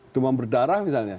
demam berdarah misalnya